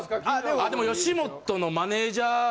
あでも吉本のマネジャー。